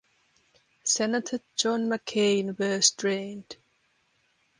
Senator John McCain were strained.